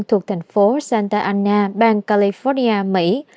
thuộc thành phố santa ana bang california mỹ